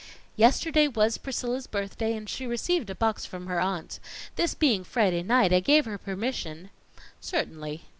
"Yesterday was Priscilla's birthday, and she received a box from her aunt. This being Friday night, I gave her permission " "Certainly."